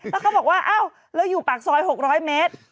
แล้วเขาบอกว่าอ้าวแล้วอยู่ปากซอย๖๐๐เมตร